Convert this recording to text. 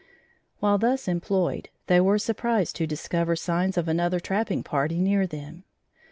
While thus employed, they were surprised to discover signs of another trapping party near them.